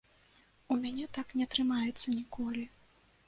У мяне так не атрымаецца ніколі.